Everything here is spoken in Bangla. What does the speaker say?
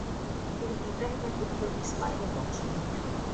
তিনি ইব্রাহিমের পুত্র ইসমাইলের বংশধর।